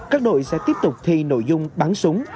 các đội sẽ tiếp tục thi nội dung bắn súng